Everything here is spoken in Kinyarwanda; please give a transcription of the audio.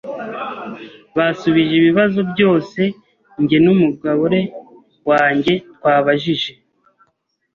basubije ibibazo byose njye numugore wanjye twabajije.